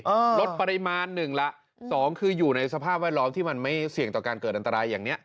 ลดปริมาณหนึ่งละสองคืออยู่ในสภาพแวดล้อมที่มันไม่เสี่ยงต่อการเกิดอันตรายอย่างเนี้ย